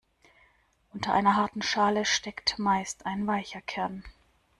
Unter einer harten Schale steckt meist ein weicher Kern.